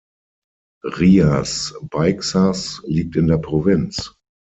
Rías Baixas liegt in der Provinz.